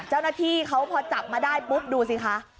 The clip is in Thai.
เจ้าหน้าที่เขาพอจับมาได้ปุ๊บดูสิคะ